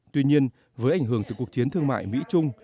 tuy nhiên với ảnh hưởng từ cuộc chiến thương mại mỹ trung